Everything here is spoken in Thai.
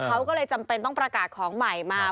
เขาก็เลยจำเป็นต้องประกาศของใหม่มา